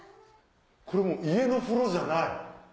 これもう家の風呂じゃない。